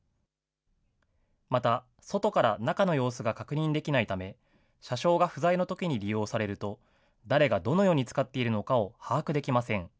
また外から中の様子が確認できないため、車掌が不在のときに利用されると、誰がどのように使っているのかを把握できません。